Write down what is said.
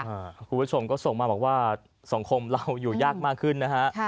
คุณผู้ชมก็ส่งมาบอกว่าสังคมเราอยู่ยากมากขึ้นนะฮะ